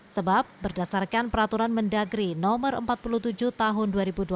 sebab berdasarkan peraturan mendagri no empat puluh tujuh tahun dua ribu dua puluh